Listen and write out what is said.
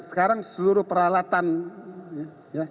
sekarang seluruh peralatan ya